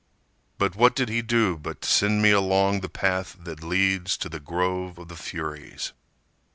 But what did he do but send me along The path that leads to the grove of the Furies?